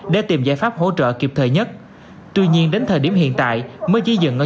để tìm giải pháp hỗ trợ kịp thời nhất tuy nhiên đến thời điểm hiện tại mới chỉ dừng ở